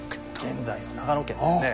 現在の長野県ですね。